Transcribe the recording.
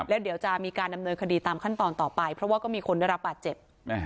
แล้วเดี๋ยวจะมีการดำเนินคดีตามขั้นตอนต่อไปเพราะว่าก็มีคนได้รับบาดเจ็บ